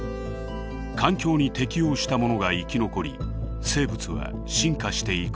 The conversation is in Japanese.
環境に適応したものが生き残り生物は進化していくのです。